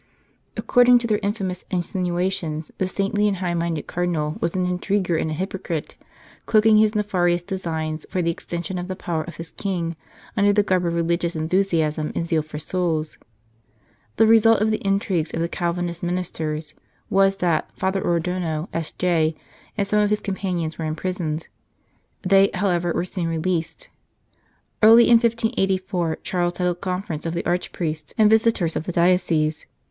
According to their infamous insinuations, the saintly and high minded Cardinal was an intriguer and a hypocrite, cloaking his nefarious designs for the extension of the power of his King under the garb of religious enthusiasm and zeal for souls. The result of the intrigues of the Calvinist ministers was that Father Adorno, S.J., and some of his companions were imprisoned; they, however, were soon released. Early in 1584 Charles held a conference of the arch priests and visitors of the diocese.